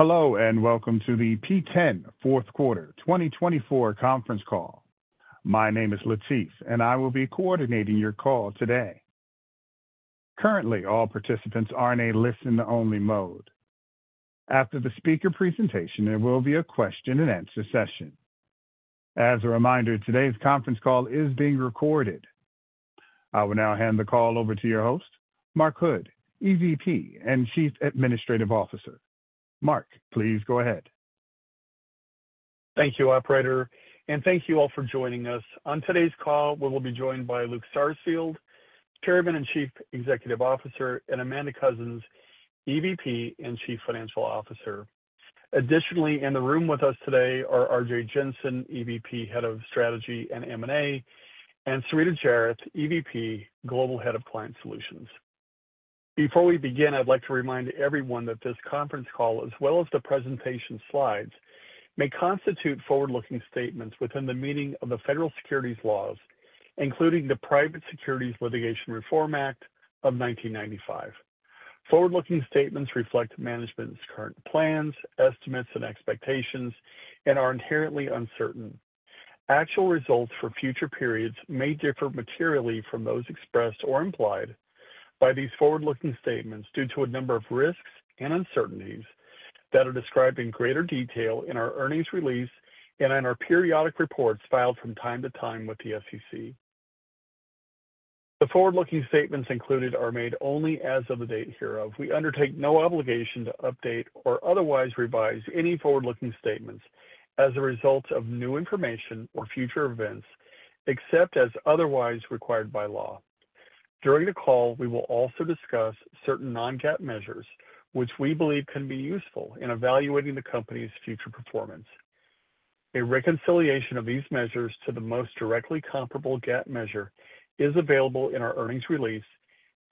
Hello and welcome to the P10 Fourth Quarter 2024 Conference Call. My name is Latif, and I will be coordinating your call today. Currently, all participants are in a listen-only mode. After the speaker presentation, there will be a question-and-answer session. As a reminder, today's conference call is being recorded. I will now hand the call over to your host, Mark Hood, EVP and Chief Administrative Officer. Mark, please go ahead. Thank you, Operator, and thank you all for joining us. On today's call, we will be joined by Luke Sarsfield, Chairman and Chief Executive Officer, and Amanda Coussens, EVP and Chief Financial Officer. Additionally, in the room with us today are Arjay Jensen, EVP, Head of Strategy and M&A, and Sarita Jairath, EVP, Global Head of Client Solutions. Before we begin, I'd like to remind everyone that this conference call, as well as the presentation slides, may constitute forward-looking statements within the meaning of the federal securities laws, including the Private Securities Litigation Reform Act of 1995. Forward-looking statements reflect management's current plans, estimates, and expectations, and are inherently uncertain. Actual results for future periods may differ materially from those expressed or implied by these forward-looking statements due to a number of risks and uncertainties that are described in greater detail in our earnings release and in our periodic reports filed from time to time with the SEC. The forward-looking statements included are made only as of the date hereof. We undertake no obligation to update or otherwise revise any forward-looking statements as a result of new information or future events, except as otherwise required by law. During the call, we will also discuss certain non-GAAP measures, which we believe can be useful in evaluating the company's future performance. A reconciliation of these measures to the most directly comparable GAAP measure is available in our earnings release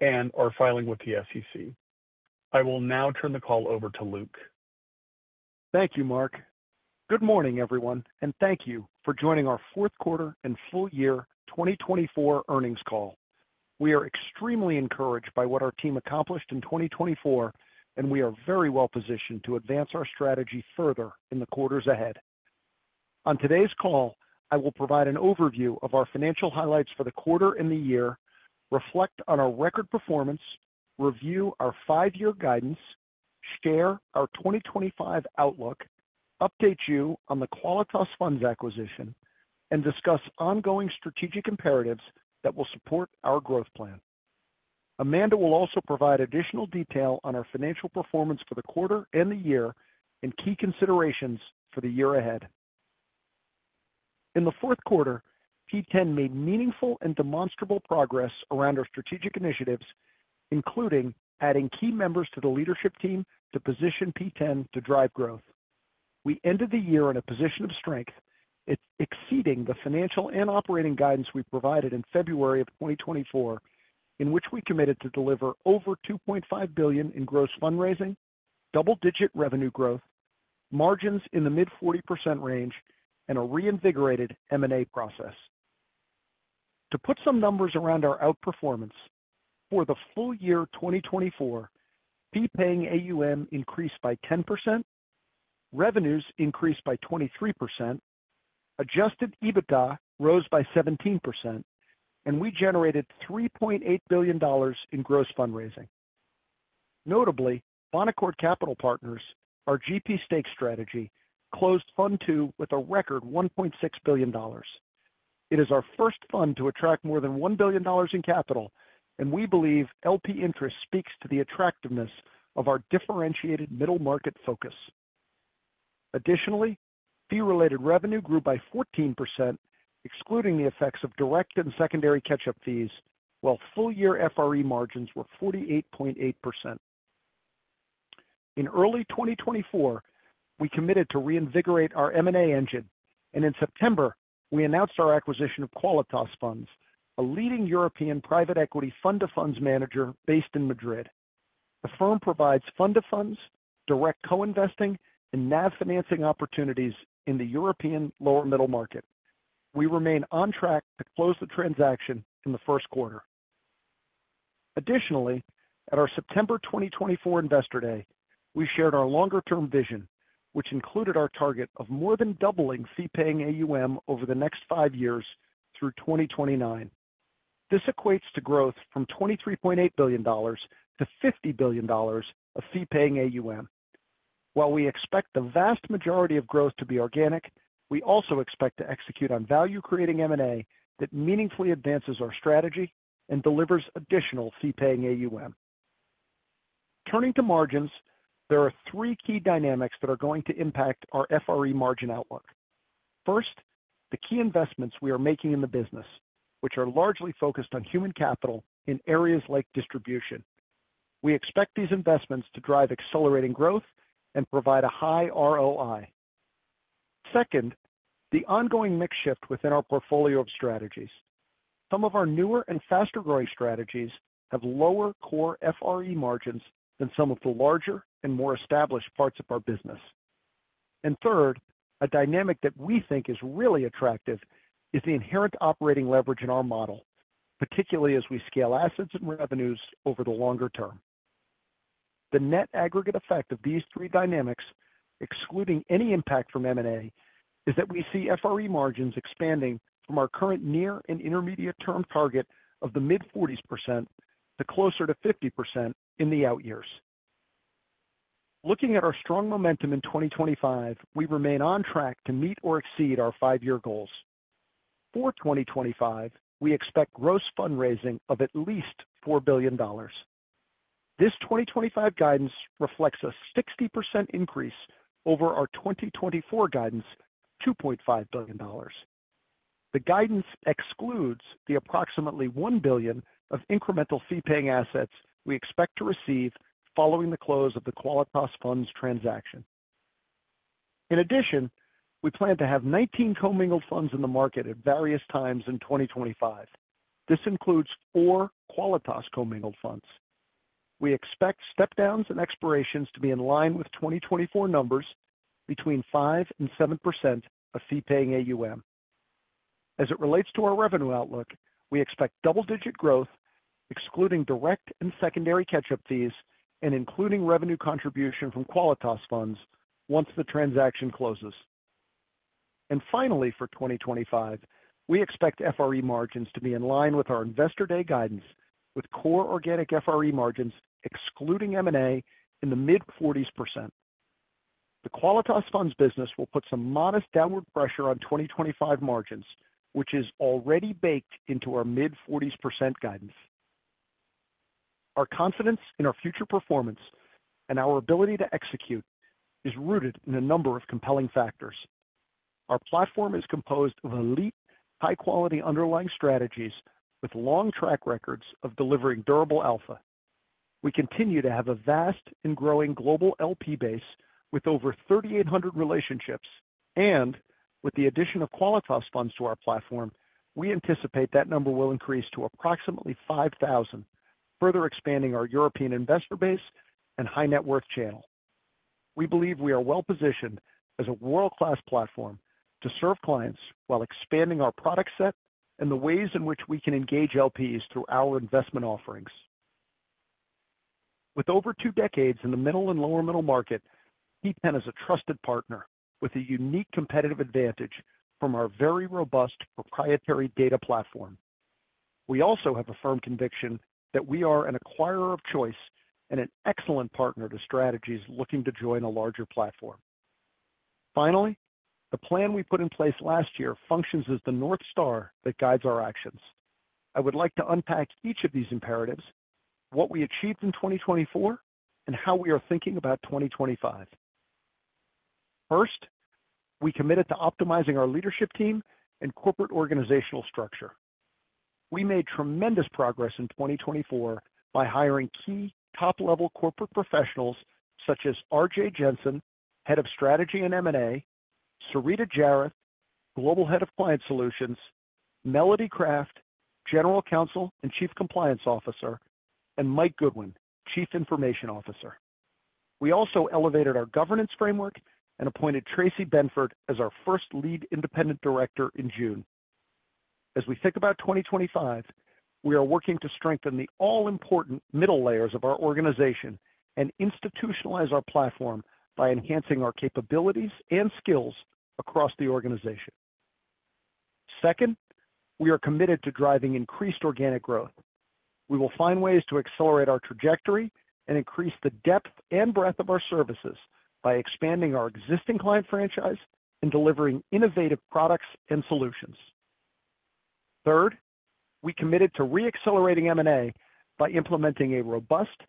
and our filing with the SEC. I will now turn the call over to Luke. Thank you, Mark. Good morning, everyone, and thank you for joining our fourth quarter and full year 2024 earnings call. We are extremely encouraged by what our team accomplished in 2024, and we are very well positioned to advance our strategy further in the quarters ahead. On today's call, I will provide an overview of our financial highlights for the quarter and the year, reflect on our record performance, review our five-year guidance, share our 2025 outlook, update you on the Qualitas Funds acquisition, and discuss ongoing strategic imperatives that will support our growth plan. Amanda will also provide additional detail on our financial performance for the quarter and the year and key considerations for the year ahead. In the fourth quarter, P10 made meaningful and demonstrable progress around our strategic initiatives, including adding key members to the leadership team to position P10 to drive growth. We ended the year in a position of strength, exceeding the financial and operating guidance we provided in February of 2024, in which we committed to deliver over $2.5 billion in gross fundraising, double-digit revenue growth, margins in the mid-40% range, and a reinvigorated M&A process. To put some numbers around our outperformance: for the full year 2024, fee-paying AUM increased by 10%, revenues increased by 23%, Adjusted EBITDA rose by 17%, and we generated $3.8 billion in gross fundraising. Notably, Bonaccord Capital Partners, our GP stake strategy, closed Fund 2 with a record $1.6 billion. It is our first fund to attract more than $1 billion in capital, and we believe LP interest speaks to the attractiveness of our differentiated middle market focus. Additionally, fee-related revenue grew by 14%, excluding the effects of direct and secondary catch-up fees, while full-year FRE margins were 48.8%. In early 2024, we committed to reinvigorate our M&A engine, and in September, we announced our acquisition of Qualitas Funds, a leading European private equity fund-of-funds manager based in Madrid. The firm provides fund-of-funds, direct co-investing, and NAV financing opportunities in the European lower-middle market. We remain on track to close the transaction in the first quarter. Additionally, at our September 2024 Investor Day, we shared our longer-term vision, which included our target of more than doubling fee-paying AUM over the next five years through 2029. This equates to growth from $23.8 billion to $50 billion of fee-paying AUM. While we expect the vast majority of growth to be organic, we also expect to execute on value-creating M&A that meaningfully advances our strategy and delivers additional fee-paying AUM. Turning to margins, there are three key dynamics that are going to impact our FRE margin outlook. First, the key investments we are making in the business, which are largely focused on human capital in areas like distribution. We expect these investments to drive accelerating growth and provide a high ROI. Second, the ongoing mix shift within our portfolio of strategies. Some of our newer and faster-growing strategies have lower core FRE margins than some of the larger and more established parts of our business. And third, a dynamic that we think is really attractive is the inherent operating leverage in our model, particularly as we scale assets and revenues over the longer term. The net aggregate effect of these three dynamics, excluding any impact from M&A, is that we see FRE margins expanding from our current near and intermediate-term target of the mid-40% to closer to 50% in the out years. Looking at our strong momentum in 2025, we remain on track to meet or exceed our five-year goals. For 2025, we expect gross fundraising of at least $4 billion. This 2025 guidance reflects a 60% increase over our 2024 guidance of $2.5 billion. The guidance excludes the approximately $1 billion of incremental fee-paying assets we expect to receive following the close of the Qualitas Funds transaction. In addition, we plan to have 19 commingled funds in the market at various times in 2025. This includes four Qualitas commingled funds. We expect step-downs and expirations to be in line with 2024 numbers between 5% and 7% of fee-paying AUM. As it relates to our revenue outlook, we expect double-digit growth, excluding direct and secondary catch-up fees and including revenue contribution from Qualitas Funds once the transaction closes. And finally, for 2025, we expect FRE margins to be in line with our Investor Day guidance, with core organic FRE margins excluding M&A in the mid-40%. The Qualitas Funds business will put some modest downward pressure on 2025 margins, which is already baked into our mid-40% guidance. Our confidence in our future performance and our ability to execute is rooted in a number of compelling factors. Our platform is composed of elite, high-quality underlying strategies with long track records of delivering durable alpha. We continue to have a vast and growing global LP base with over 3,800 relationships, and with the addition of Qualitas Funds to our platform, we anticipate that number will increase to approximately 5,000, further expanding our European investor base and high-net-worth channel. We believe we are well-positioned as a world-class platform to serve clients while expanding our product set and the ways in which we can engage LPs through our investment offerings. With over two decades in the middle and lower-middle market, P10 is a trusted partner with a unique competitive advantage from our very robust proprietary data platform. We also have a firm conviction that we are an acquirer of choice and an excellent partner to strategies looking to join a larger platform. Finally, the plan we put in place last year functions as the North Star that guides our actions. I would like to unpack each of these imperatives, what we achieved in 2024, and how we are thinking about 2025. First, we committed to optimizing our leadership team and corporate organizational structure. We made tremendous progress in 2024 by hiring key top-level corporate professionals such as Arjay Jensen, Head of Strategy and M&A, Sarita Jairath, Global Head of Client Solutions, Melody Kraft, General Counsel and Chief Compliance Officer, and Mike Goodwin, Chief Information Officer. We also elevated our governance framework and appointed Tracey Benford as our first lead independent director in June. As we think about 2025, we are working to strengthen the all-important middle layers of our organization and institutionalize our platform by enhancing our capabilities and skills across the organization. Second, we are committed to driving increased organic growth. We will find ways to accelerate our trajectory and increase the depth and breadth of our services by expanding our existing client franchise and delivering innovative products and solutions. Third, we committed to re-accelerating M&A by implementing a robust,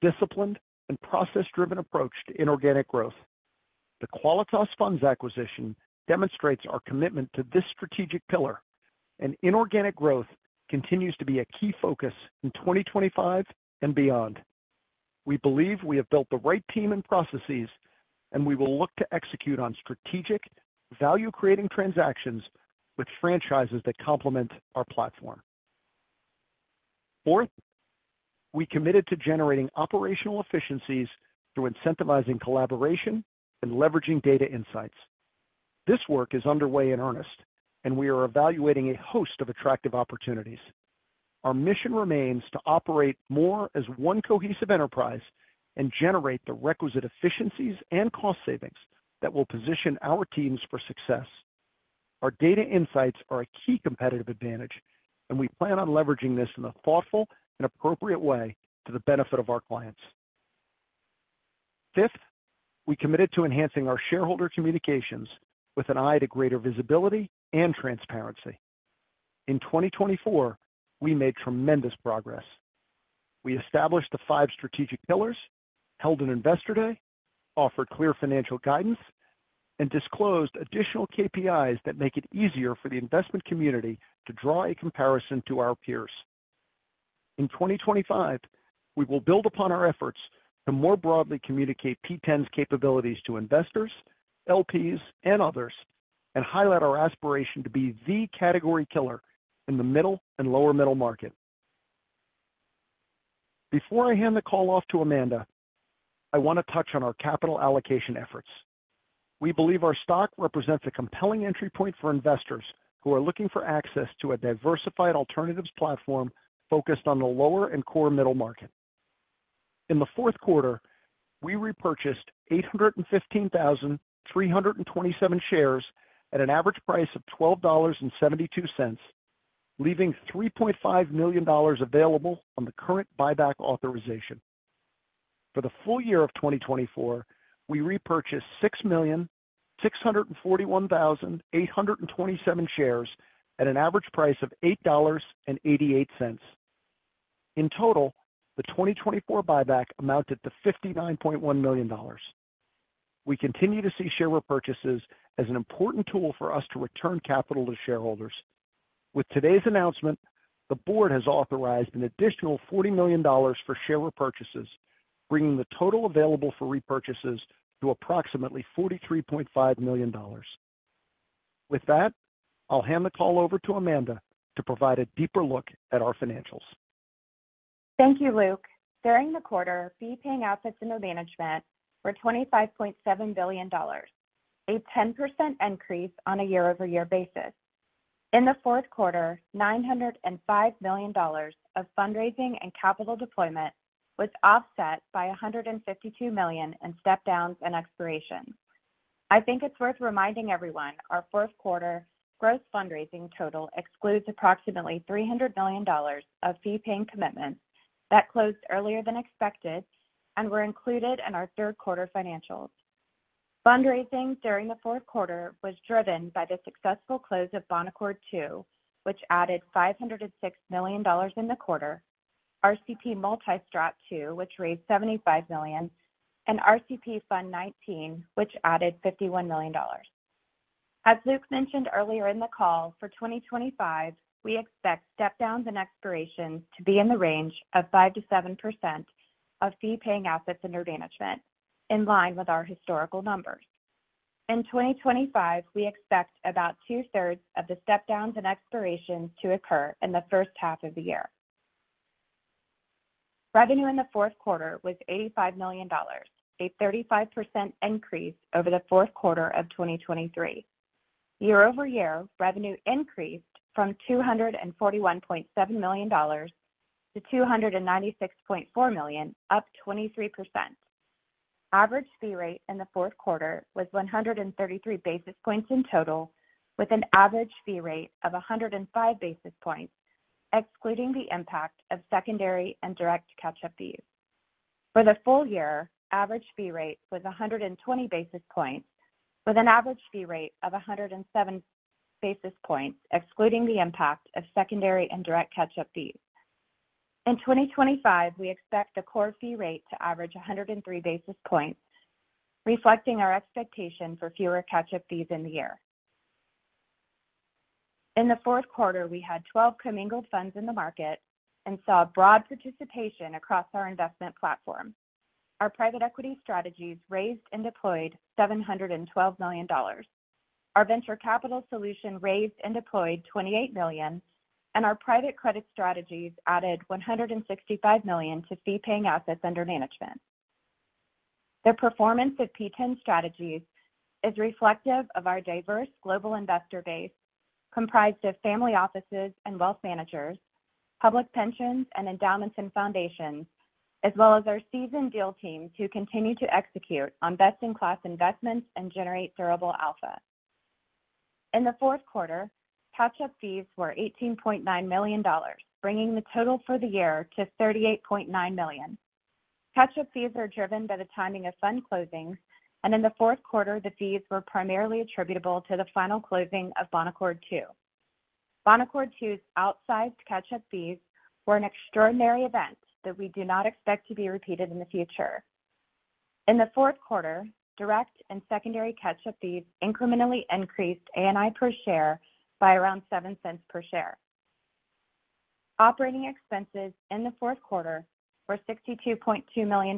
disciplined, and process-driven approach to inorganic growth. The Qualitas Funds acquisition demonstrates our commitment to this strategic pillar, and inorganic growth continues to be a key focus in 2025 and beyond. We believe we have built the right team and processes, and we will look to execute on strategic, value-creating transactions with franchises that complement our platform. Fourth, we committed to generating operational efficiencies through incentivizing collaboration and leveraging data insights. This work is underway in earnest, and we are evaluating a host of attractive opportunities. Our mission remains to operate more as one cohesive enterprise and generate the requisite efficiencies and cost savings that will position our teams for success. Our data insights are a key competitive advantage, and we plan on leveraging this in a thoughtful and appropriate way to the benefit of our clients. Fifth, we committed to enhancing our shareholder communications with an eye to greater visibility and transparency. In 2024, we made tremendous progress. We established the five strategic pillars, held an Investor Day, offered clear financial guidance, and disclosed additional KPIs that make it easier for the investment community to draw a comparison to our peers. In 2025, we will build upon our efforts to more broadly communicate P10's capabilities to investors, LPs, and others, and highlight our aspiration to be the category killer in the middle and lower-middle market. Before I hand the call off to Amanda, I want to touch on our capital allocation efforts. We believe our stock represents a compelling entry point for investors who are looking for access to a diversified alternatives platform focused on the lower and core middle market. In the fourth quarter, we repurchased 815,327 shares at an average price of $12.72, leaving $3.5 million available on the current buyback authorization. For the full year of 2024, we repurchased 6,641,827 shares at an average price of $8.88. In total, the 2024 buyback amounted to $59.1 million. We continue to see share repurchases as an important tool for us to return capital to shareholders. With today's announcement, the board has authorized an additional $40 million for share repurchases, bringing the total available for repurchases to approximately $43.5 million. With that, I'll hand the call over to Amanda to provide a deeper look at our financials. Thank you, Luke. During the quarter, fee-paying assets under management were $25.7 billion, a 10% increase on a year-over-year basis. In the fourth quarter, $905 million of fundraising and capital deployment was offset by $152 million in step-downs and expirations. I think it's worth reminding everyone our fourth quarter gross fundraising total excludes approximately $300 million of fee-paying commitments that closed earlier than expected and were included in our third quarter financials. Fundraising during the fourth quarter was driven by the successful close of Bonaccord II, which added $506 million in the quarter, RCP Multi-Strat 2, which raised $75 million, and RCP Fund XIX, which added $51 million. As Luke mentioned earlier in the call, for 2025, we expect step-downs and expirations to be in the range of 5%-7% of fee-paying assets under management, in line with our historical numbers. In 2025, we expect about two-thirds of the step-downs and expirations to occur in the first half of the year. Revenue in the fourth quarter was $85 million, a 35% increase over the fourth quarter of 2023. Year-over-year, revenue increased from $241.7 million to $296.4 million, up 23%. Average fee rate in the fourth quarter was 133 basis points in total, with an average fee rate of 105 basis points, excluding the impact of secondary and direct catch-up fees. For the full year, average fee rate was 120 basis points, with an average fee rate of 107 basis points, excluding the impact of secondary and direct catch-up fees. In 2025, we expect the core fee rate to average 103 basis points, reflecting our expectation for fewer catch-up fees in the year. In the fourth quarter, we had 12 commingled funds in the market and saw broad participation across our investment platform. Our private equity strategies raised and deployed $712 million. Our venture capital solution raised and deployed $28 million, and our private credit strategies added $165 million to fee-paying assets under management. The performance of P10 strategies is reflective of our diverse global investor base, comprised of family offices and wealth managers, public pensions and endowments and foundations, as well as our seasoned deal teams who continue to execute on best-in-class investments and generate durable alpha. In the fourth quarter, catch-up fees were $18.9 million, bringing the total for the year to $38.9 million. Catch-up fees are driven by the timing of fund closings, and in the fourth quarter, the fees were primarily attributable to the final closing of Bonaccord II. Bonaccord II's outsized catch-up fees were an extraordinary event that we do not expect to be repeated in the future. In the fourth quarter, direct and secondary catch-up fees incrementally increased ANI per share by around $0.07 per share. Operating expenses in the fourth quarter were $62.2 million,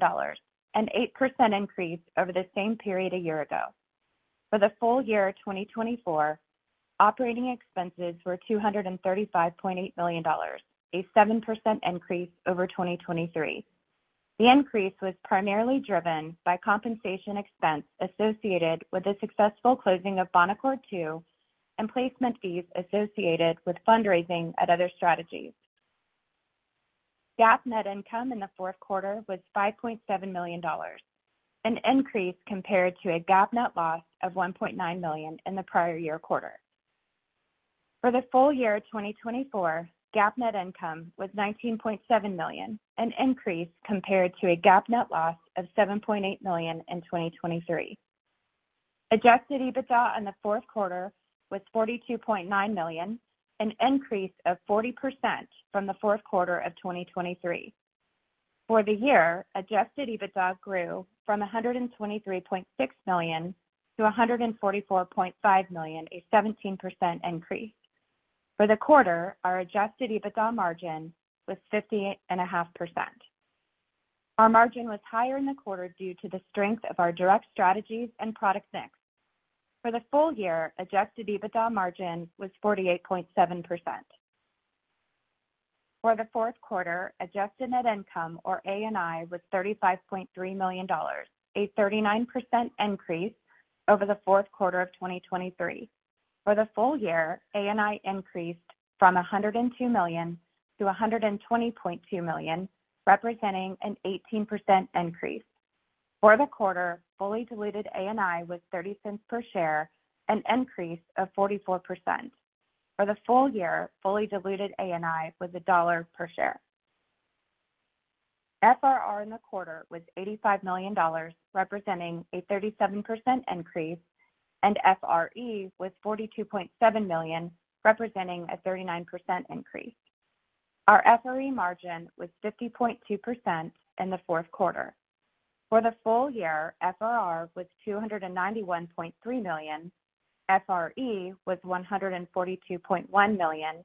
an 8% increase over the same period a year ago. For the full year of 2024, operating expenses were $235.8 million, a 7% increase over 2023. The increase was primarily driven by compensation expense associated with the successful closing of Bonaccord II and placement fees associated with fundraising at other strategies. GAAP net income in the fourth quarter was $5.7 million, an increase compared to a GAAP net loss of $1.9 million in the prior year quarter. For the full year of 2024, GAAP net income was $19.7 million, an increase compared to a GAAP net loss of $7.8 million in 2023. Adjusted EBITDA in the fourth quarter was $42.9 million, an increase of 40% from the fourth quarter of 2023. For the year, Adjusted EBITDA grew from $123.6 million to $144.5 million, a 17% increase. For the quarter, our Adjusted EBITDA margin was 50.5%. Our margin was higher in the quarter due to the strength of our direct strategies and product mix. For the full year, Adjusted EBITDA margin was 48.7%. For the fourth quarter, adjusted net income, or ANI, was $35.3 million, a 39% increase over the fourth quarter of 2023. For the full year, ANI increased from $102 million to $120.2 million, representing an 18% increase. For the quarter, fully diluted ANI was $0.30 per share, an increase of 44%. For the full year, fully diluted ANI was $1 per share. FRR in the quarter was $85 million, representing a 37% increase, and FRE was $42.7 million, representing a 39% increase. Our FRE margin was 50.2% in the fourth quarter. For the full year, FRR was $291.3 million, FRE was $142.1 million,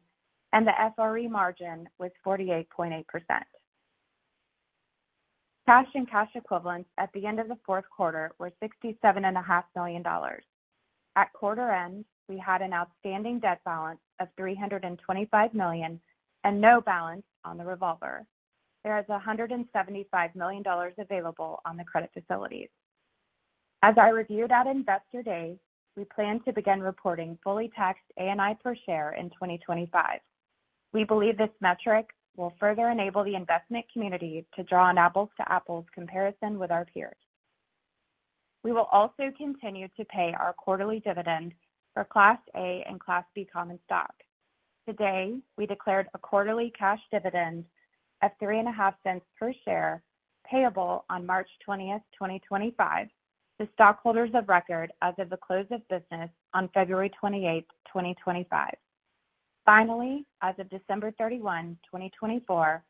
and the FRE margin was 48.8%. Cash and cash equivalents at the end of the fourth quarter were $67.5 million. At quarter end, we had an outstanding debt balance of $325 million and no balance on the revolver. There is $175 million available on the credit facilities. As I reviewed at Investor Day, we plan to begin reporting fully taxed ANI per share in 2025. We believe this metric will further enable the investment community to draw an apples-to-apples comparison with our peers. We will also continue to pay our quarterly dividend for Class A and Class B common stock. Today, we declared a quarterly cash dividend of $0.35 per share, payable on March 20, 2025, to stockholders of record as of the close of business on February 28, 2025. Finally, as of December 31, 2024,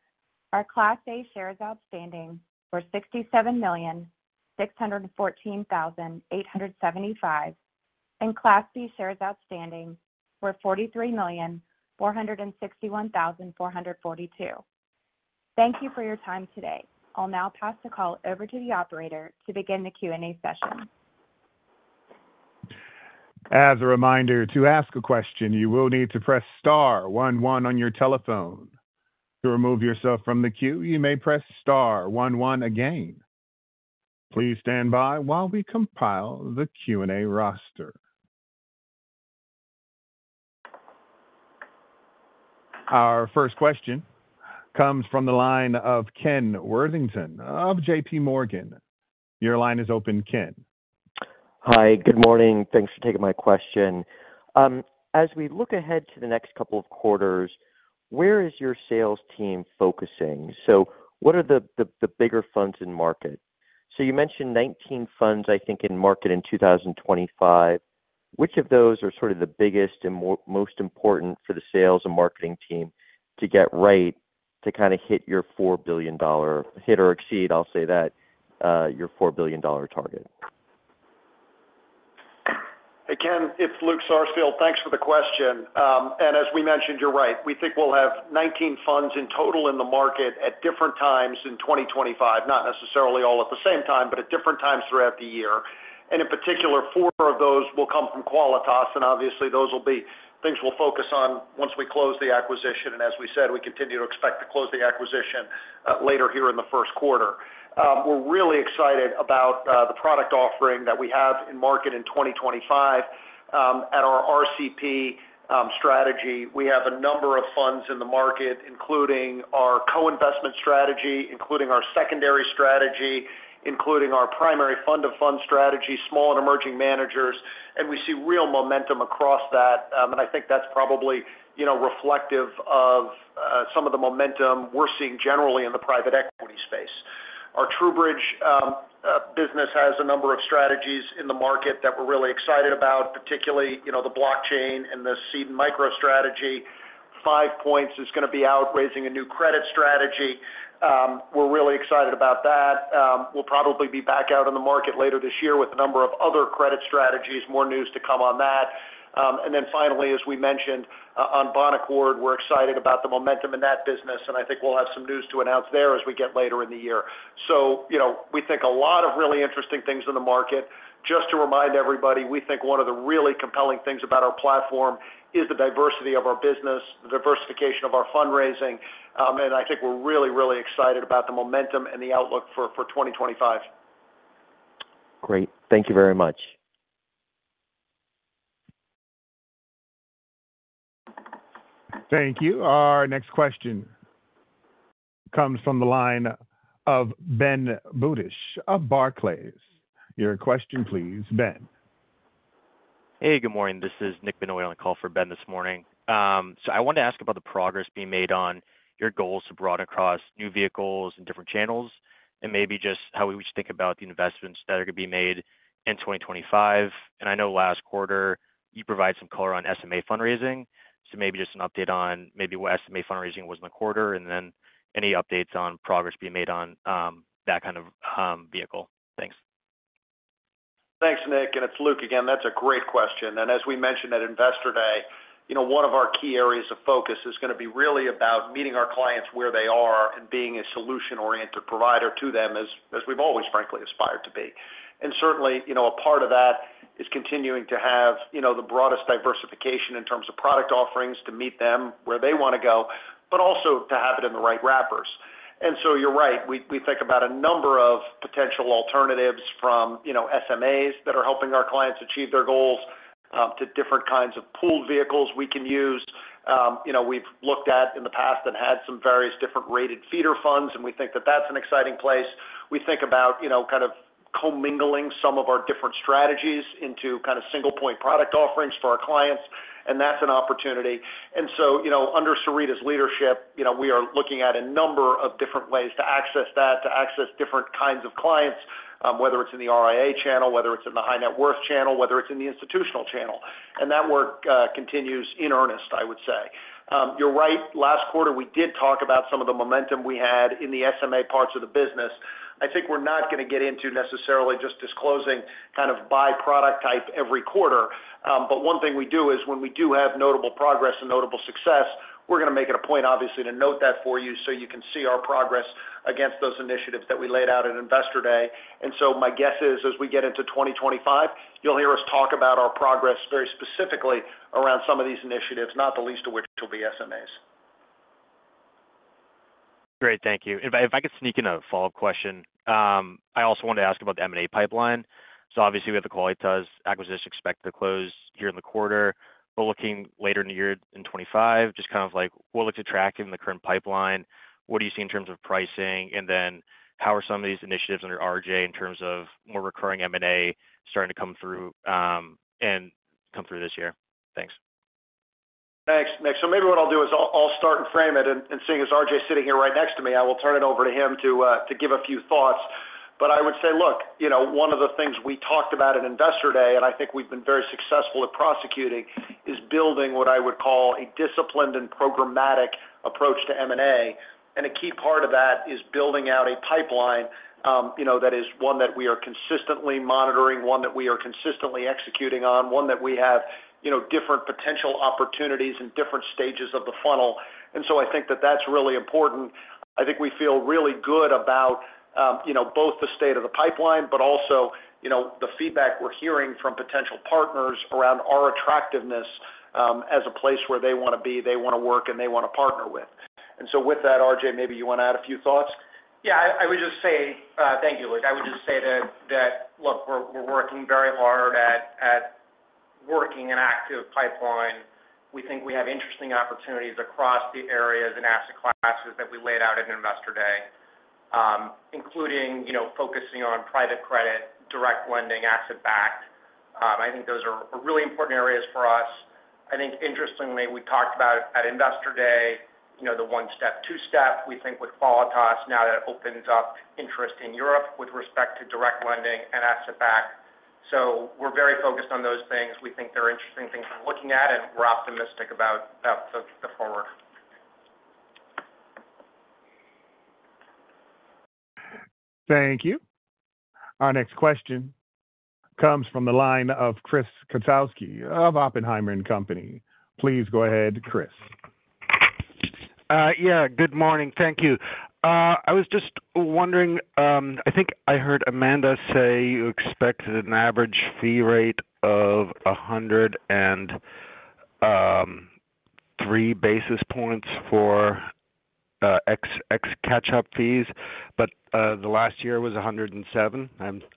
our Class A shares outstanding were 67,614,875, and Class B shares outstanding were 43,461,442. Thank you for your time today. I'll now pass the call over to the operator to begin the Q&A session. As a reminder, to ask a question, you will need to press star one one on your telephone. To remove yourself from the queue, you may press star one one again. Please stand by while we compile the Q&A roster. Our first question comes from the line of Ken Worthington of J.P. Morgan. Your line is open, Ken. Hi, good morning. Thanks for taking my question. As we look ahead to the next couple of quarters, where is your sales team focusing? So what are the bigger funds in market? So you mentioned 19 funds, I think, in market in 2025. Which of those are sort of the biggest and most important for the sales and marketing team to get right to kind of hit your $4 billion, hit or exceed, I'll say that, your $4 billion target? Again, it's Luke Sarsfield. Thanks for the question. And as we mentioned, you're right. We think we'll have 19 funds in total in the market at different times in 2025, not necessarily all at the same time, but at different times throughout the year. And in particular, four of those will come from Qualitas, and obviously, those will be things we'll focus on once we close the acquisition. And as we said, we continue to expect to close the acquisition later here in the first quarter. We're really excited about the product offering that we have in market in 2025. At our RCP strategy, we have a number of funds in the market, including our co-investment strategy, including our secondary strategy, including our primary fund-of-funds strategy, small and emerging managers, and we see real momentum across that. And I think that's probably reflective of some of the momentum we're seeing generally in the private equity space. Our TrueBridge business has a number of strategies in the market that we're really excited about, particularly the blockchain and the seed and micro strategy. Five Points is going to be out raising a new credit strategy. We're really excited about that. We'll probably be back out in the market later this year with a number of other credit strategies, more news to come on that. And then finally, as we mentioned, on Bonaccord, we're excited about the momentum in that business, and I think we'll have some news to announce there as we get later in the year. So we think a lot of really interesting things in the market. Just to remind everybody, we think one of the really compelling things about our platform is the diversity of our business, the diversification of our fundraising, and I think we're really, really excited about the momentum and the outlook for 2025. Great. Thank you very much. Thank you. Our next question comes from the line of Ben Budish of Barclays. Your question, please, Ben. Hey, good morning. This is Nick Balboa on the call for Ben this morning. So I wanted to ask about the progress being made on your goals to broaden across new vehicles and different channels, and maybe just how we should think about the investments that are going to be made in 2025. I know last quarter, you provided some color on SMA fundraising, so maybe just an update on maybe what SMA fundraising was in the quarter, and then any updates on progress being made on that kind of vehicle. Thanks. Thanks, Nick. And it's Luke again. That's a great question. And as we mentioned at Investor Day, one of our key areas of focus is going to be really about meeting our clients where they are and being a solution-oriented provider to them, as we've always, frankly, aspired to be. And certainly, a part of that is continuing to have the broadest diversification in terms of product offerings to meet them where they want to go, but also to have it in the right wrappers. And so you're right. We think about a number of potential alternatives from SMAs that are helping our clients achieve their goals to different kinds of pooled vehicles we can use. We've looked at in the past and had some various different rated feeder funds, and we think that that's an exciting place. We think about kind of commingling some of our different strategies into kind of single-point product offerings for our clients, and that's an opportunity. And so under Sarita's leadership, we are looking at a number of different ways to access that, to access different kinds of clients, whether it's in the RIA channel, whether it's in the high-net-worth channel, whether it's in the institutional channel. And that work continues in earnest, I would say. You're right. Last quarter, we did talk about some of the momentum we had in the SMA parts of the business. I think we're not going to get into necessarily just disclosing kind of by-product type every quarter. But one thing we do is when we do have notable progress and notable success, we're going to make it a point, obviously, to note that for you so you can see our progress against those initiatives that we laid out at Investor Day. And so my guess is, as we get into 2025, you'll hear us talk about our progress very specifically around some of these initiatives, not the least of which will be SMAs. Great. Thank you. If I could sneak in a follow-up question, I also wanted to ask about the M&A pipeline. So obviously, we have the Qualitas acquisition expected to close here in the quarter, but looking later in the year in 2025, just kind of like what looks attractive in the current pipeline, what do you see in terms of pricing, and then how are some of these initiatives under Arjay in terms of more recurring M&A starting to come through and come through this year? Thanks. Thanks, Nick. So maybe what I'll do is I'll start and frame it, and seeing as Arjay sitting here right next to me, I will turn it over to him to give a few thoughts. But I would say, look, one of the things we talked about at Investor Day, and I think we've been very successful at prosecuting, is building what I would call a disciplined and programmatic approach to M&A. And a key part of that is building out a pipeline that is one that we are consistently monitoring, one that we are consistently executing on, one that we have different potential opportunities in different stages of the funnel. And so I think that that's really important. I think we feel really good about both the state of the pipeline, but also the feedback we're hearing from potential partners around our attractiveness as a place where they want to be, they want to work, and they want to partner with. And so with that, Arjay, maybe you want to add a few thoughts? Yeah. I would just say thank you, Luke. I would just say that, look, we're working very hard at working an active pipeline. We think we have interesting opportunities across the areas and asset classes that we laid out at Investor Day, including focusing on private credit, direct lending, asset-backed. I think those are really important areas for us. I think, interestingly, we talked about at Investor Day, the one-step, two-step. We think with Qualitas, now that opens up interest in Europe with respect to direct lending and asset-backed. So we're very focused on those things. We think they're interesting things we're looking at, and we're optimistic about the forward. Thank you. Our next question comes from the line of Chris Kotowski of Oppenheimer & Company. Please go ahead, Chris. Yeah. Good morning. Thank you. I was just wondering. I think I heard Amanda say you expected an average fee rate of 103 basis points for next catch-up fees, but the last year was 107.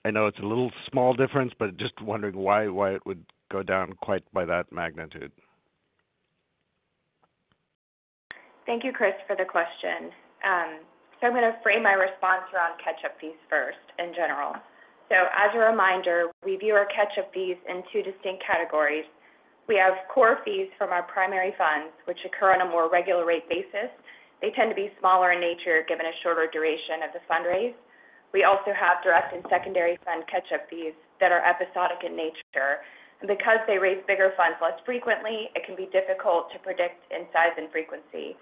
I know it's a little small difference, but just wondering why it would go down quite by that magnitude? Thank you, Chris, for the question. So I'm going to frame my response around catch-up fees first in general. So as a reminder, we view our catch-up fees in two distinct categories. We have core fees from our primary funds, which occur on a more regular rate basis. They tend to be smaller in nature given a shorter duration of the fundraise. We also have direct and secondary fund catch-up fees that are episodic in nature. And because they raise bigger funds less frequently, it can be difficult to predict in size and frequency.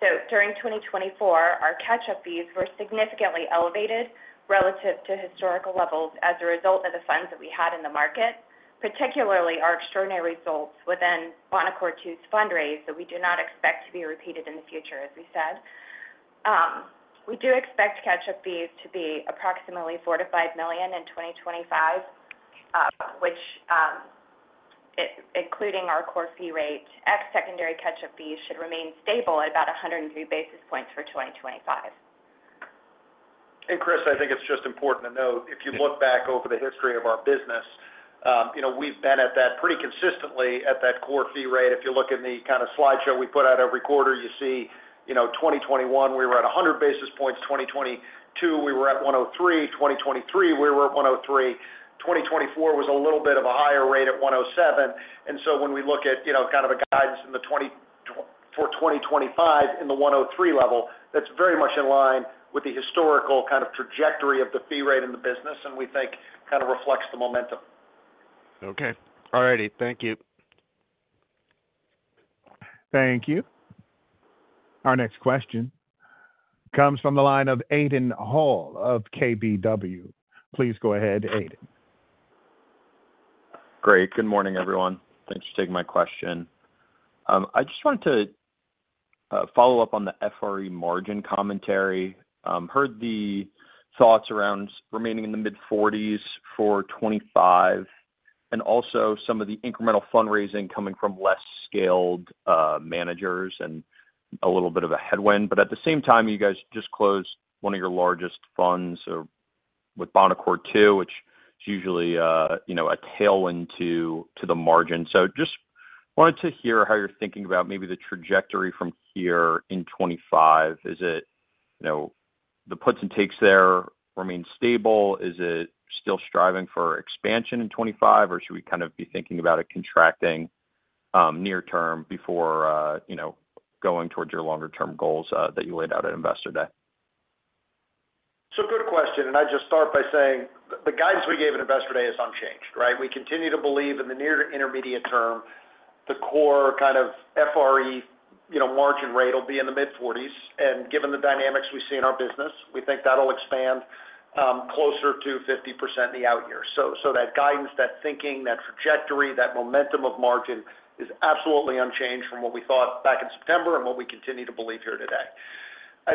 So during 2024, our catch-up fees were significantly elevated relative to historical levels as a result of the funds that we had in the market, particularly our extraordinary results within Bonaccord II's fundraise that we do not expect to be repeated in the future, as we said. We do expect catch-up fees to be approximately $4 million-$5 million in 2025, which, including our core fee rate, excluding secondary catch-up fees should remain stable at about 103 basis points for 2025. And Chris, I think it's just important to note, if you look back over the history of our business, we've been at that pretty consistently at that core fee rate. If you look in the kind of slideshow we put out every quarter, you see 2021, we were at 100 basis points. 2022, we were at 103. 2023, we were at 103. 2024 was a little bit of a higher rate at 107, and so when we look at kind of a guidance for 2025 in the 103 level, that's very much in line with the historical kind of trajectory of the fee rate in the business, and we think kind of reflects the momentum. Okay. All right. Thank you. Thank you. Our next question comes from the line of Aidan Hall of KBW. Please go ahead, Aidan. Great. Good morning, everyone. Thanks for taking my question. I just wanted to follow up on the FRE margin commentary. Heard the thoughts around remaining in the mid-40s for 2025, and also some of the incremental fundraising coming from less scaled managers and a little bit of a headwind, but at the same time, you guys just closed one of your largest funds with Bonaccord II, which is usually a tailwind to the margin. So just wanted to hear how you're thinking about maybe the trajectory from here in 2025. Is it the puts and takes there remain stable? Is it still striving for expansion in 2025, or should we kind of be thinking about it contracting near-term before going towards your longer-term goals that you laid out at Investor Day? It's a good question, and I'd just start by saying the guidance we gave at Investor Day is unchanged, right? We continue to believe in the near to intermediate term. The core kind of FRE margin rate will be in the mid-40s%. And given the dynamics we see in our business, we think that'll expand closer to 50% in the out year. So that guidance, that thinking, that trajectory, that momentum of margin is absolutely unchanged from what we thought back in September and what we continue to believe here today.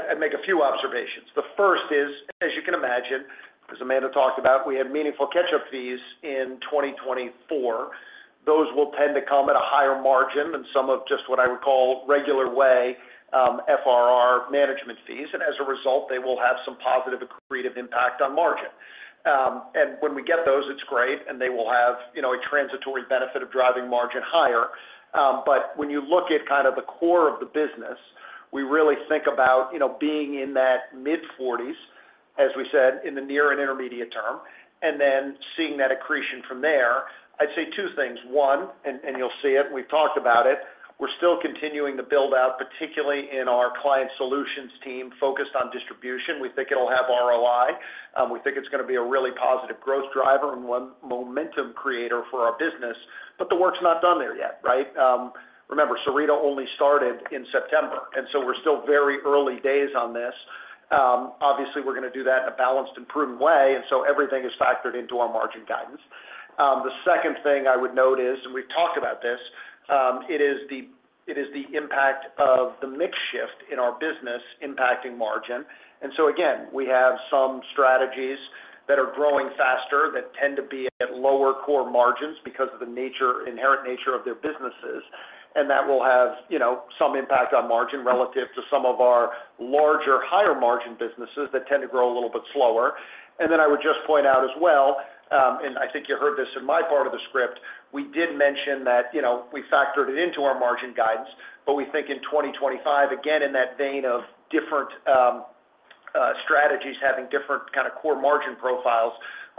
I'd make a few observations. The first is, as you can imagine, as Amanda talked about, we had meaningful catch-up fees in 2024. Those will tend to come at a higher margin than some of just what I would call regular way FRR management fees. And as a result, they will have some positive accretive impact on margin. And when we get those, it's great, and they will have a transitory benefit of driving margin higher. But when you look at kind of the core of the business, we really think about being in that mid-40s, as we said, in the near and intermediate term, and then seeing that accretion from there. I'd say two things. One, and you'll see it, and we've talked about it, we're still continuing to build out, particularly in our client solutions team focused on distribution. We think it'll have ROI. We think it's going to be a really positive growth driver and one momentum creator for our business, but the work's not done there yet, right? Remember, Sarita only started in September, and so we're still very early days on this. Obviously, we're going to do that in a balanced and prudent way, and so everything is factored into our margin guidance. The second thing I would note is, and we've talked about this, it is the impact of the mix shift in our business impacting margin. And so again, we have some strategies that are growing faster that tend to be at lower core margins because of the inherent nature of their businesses, and that will have some impact on margin relative to some of our larger, higher-margin businesses that tend to grow a little bit slower. And then I would just point out as well, and I think you heard this in my part of the script, we did mention that we factored it into our margin guidance, but we think in 2025, again, in that vein of different strategies having different kind of core margin profiles,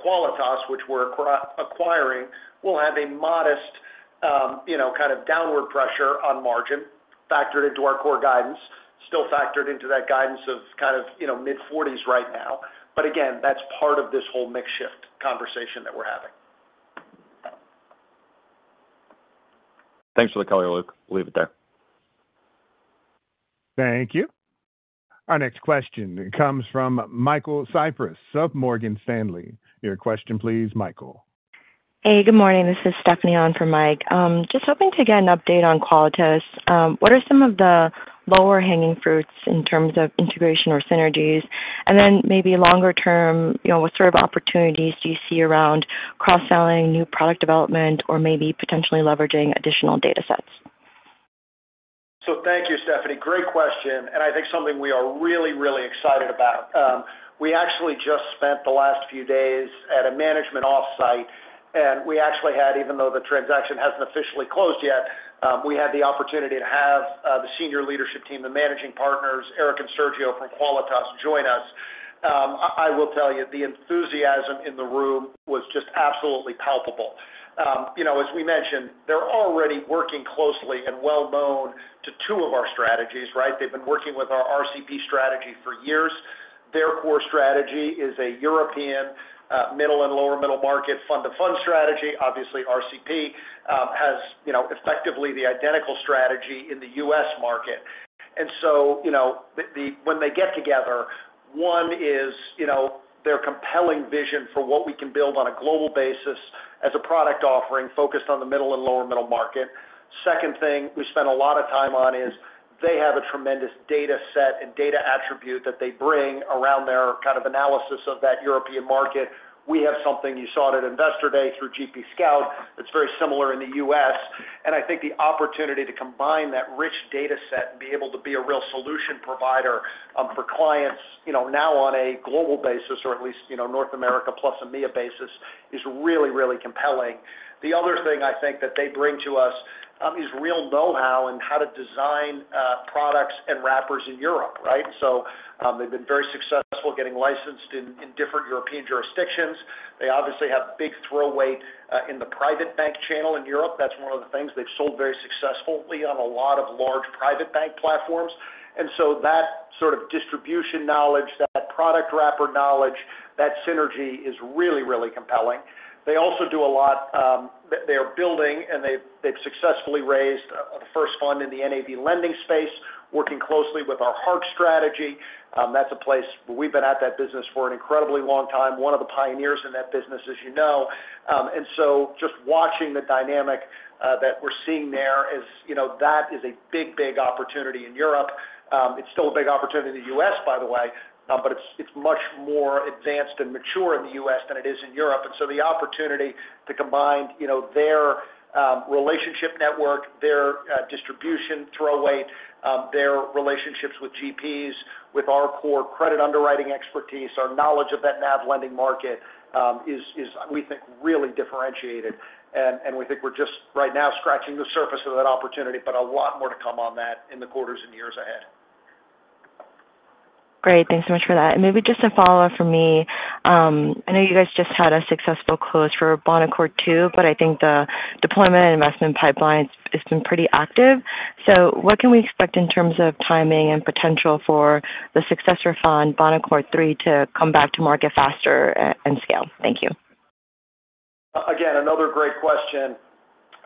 Qualitas, which we're acquiring, will have a modest kind of downward pressure on margin factored into our core guidance, still factored into that guidance of kind of mid-40s right now. But again, that's part of this whole mix shift conversation that we're having. Thanks for the color, Luke. We'll leave it there. Thank you. Our next question comes from Michael Cyprys of Morgan Stanley. Your question, please, Michael. Hey, good morning. This is Stephanie on for Mike. Just hoping to get an update on Qualitas. What are some of the low-hanging fruits in terms of integration or synergies? And then maybe longer term, what sort of opportunities do you see around cross-selling, new product development, or maybe potentially leveraging additional data sets? So thank you, Stephanie. Great question. And I think something we are really, really excited about. We actually just spent the last few days at a management offsite, and we actually had, even though the transaction hasn't officially closed yet, we had the opportunity to have the senior leadership team, the managing partners, Eric and Sergio from Qualitas, join us. I will tell you, the enthusiasm in the room was just absolutely palpable. As we mentioned, they're already working closely and well-known to two of our strategies, right? They've been working with our RCP strategy for years. Their core strategy is a European middle and lower-middle market fund-of-funds strategy. Obviously, RCP has effectively the identical strategy in the U.S. market. When they get together, one is their compelling vision for what we can build on a global basis as a product offering focused on the middle and lower-middle market. Second thing we spent a lot of time on is they have a tremendous data set and data attribute that they bring around their kind of analysis of that European market. We have something you saw at Investor Day through GP Scout that's very similar in the U.S. I think the opportunity to combine that rich data set and be able to be a real solution provider for clients now on a global basis, or at least North America plus EMEA basis, is really, really compelling. The other thing I think that they bring to us is real know-how in how to design products and wrappers in Europe, right? So they've been very successful getting licensed in different European jurisdictions. They obviously have big throw weight in the private bank channel in Europe. That's one of the things they've sold very successfully on a lot of large private bank platforms. And so that sort of distribution knowledge, that product wrapper knowledge, that synergy is really, really compelling. They also do a lot that they are building, and they've successfully raised the first fund in the NAV lending space, working closely with our Hark strategy. That's a place where we've been at that business for an incredibly long time, one of the pioneers in that business, as you know. And so just watching the dynamic that we're seeing there is that is a big, big opportunity in Europe. It's still a big opportunity in the U.S., by the way, but it's much more advanced and mature in the U.S. than it is in Europe. The opportunity to combine their relationship network, their distribution throw weight, their relationships with GPs, with our core credit underwriting expertise, our knowledge of that NAV lending market is, we think, really differentiated. We think we're just right now scratching the surface of that opportunity, but a lot more to come on that in the quarters and years ahead. Great. Thanks so much for that. Maybe just a follow-up from me. I know you guys just had a successful close for Bonaccord II, but I think the deployment and investment pipeline has been pretty active. What can we expect in terms of timing and potential for the successor fund, Bonaccord III, to come back to market faster and scale? Thank you. Again, another great question,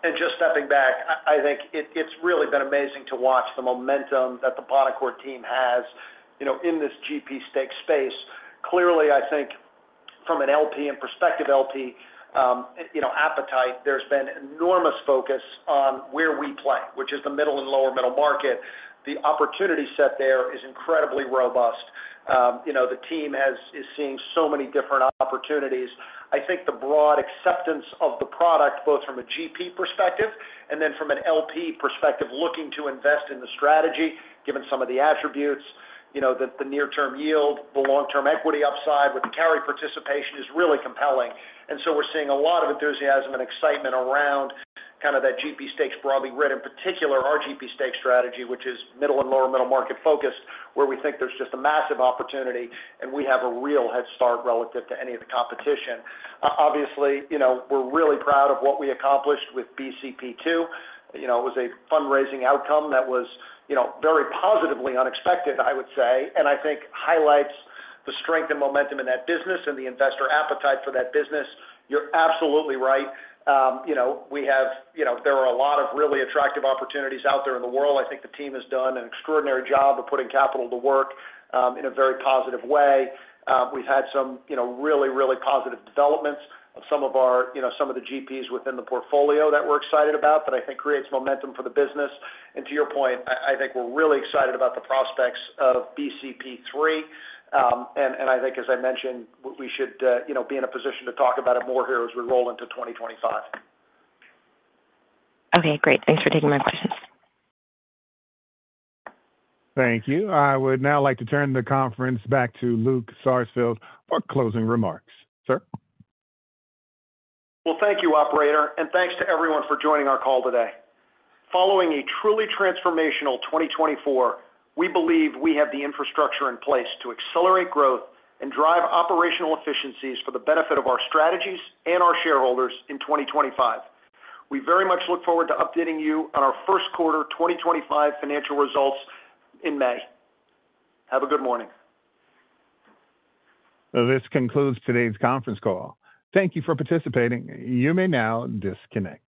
and just stepping back, I think it's really been amazing to watch the momentum that the Bonaccord team has in this GP stake space. Clearly, I think from an LP and prospective LP appetite, there's been enormous focus on where we play, which is the middle and lower-middle market. The opportunity set there is incredibly robust. The team is seeing so many different opportunities. I think the broad acceptance of the product, both from a GP perspective and then from an LP perspective, looking to invest in the strategy, given some of the attributes, the near-term yield, the long-term equity upside with the carry participation is really compelling. And so we're seeing a lot of enthusiasm and excitement around kind of that GP stakes broadly, right, in particular our GP stake strategy, which is middle and lower-middle market focused, where we think there's just a massive opportunity, and we have a real head start relative to any of the competition. Obviously, we're really proud of what we accomplished with BCP2. It was a fundraising outcome that was very positively unexpected, I would say, and I think highlights the strength and momentum in that business and the investor appetite for that business. You're absolutely right. There are a lot of really attractive opportunities out there in the world. I think the team has done an extraordinary job of putting capital to work in a very positive way. We've had some really, really positive developments of some of our GPs within the portfolio that we're excited about that I think creates momentum for the business. And to your point, I think we're really excited about the prospects of BCP3. And I think, as I mentioned, we should be in a position to talk about it more here as we roll into 2025. Okay. Great. Thanks for taking my questions. Thank you. I would now like to turn the conference back to Luke Sarsfield for closing remarks. Sir? Well, thank you, operator, and thanks to everyone for joining our call today. Following a truly transformational 2024, we believe we have the infrastructure in place to accelerate growth and drive operational efficiencies for the benefit of our strategies and our shareholders in 2025. We very much look forward to updating you on our first quarter 2025 financial results in May. Have a good morning. This concludes today's conference call. Thank you for participating. You may now disconnect.